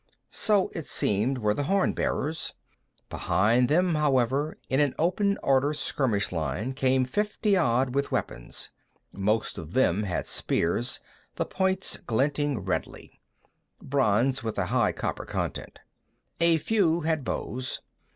So, it seemed, were the horn bearers. Behind them, however, in an open order skirmish line, came fifty odd with weapons. Most of them had spears, the points glinting redly. Bronze, with a high copper content. A few had bows.